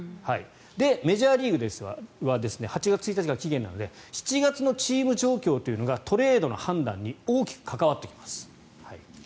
メジャーリーグは８月１日が期限なので７月のチーム状況というのがトレードの判断に大きく関わってきます。